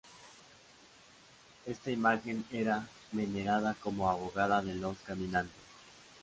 Esta imagen era venerada como abogada de los caminantes.